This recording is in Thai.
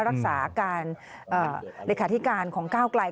รักษาการเลขาธิการของก้าวไกล